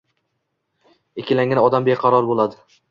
Ikkilangan odam beqaror bo‘ladi